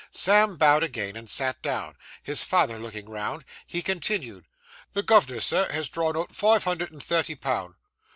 Sam bowed again and sat down; his father looking round, he continued 'The gov'nor, sir, has drawn out five hundred and thirty pound.